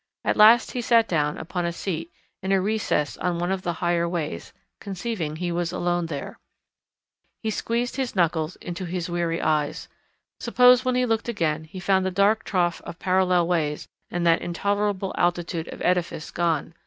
At last he sat down upon a seat in a recess on one of the higher ways, conceiving he was alone there. He squeezed his knuckles into his weary eyes. Suppose when he looked again he found the dark trough of parallel ways and that intolerable altitude of edifice gone.